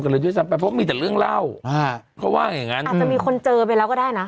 อาจจะมีคนเจอไปแล้วก็ได้นะ